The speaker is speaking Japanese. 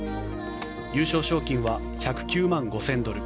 優勝賞金は１０９万５０００ドル